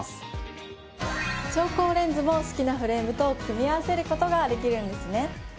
調光レンズも好きなフレームと組み合わせる事ができるんですね。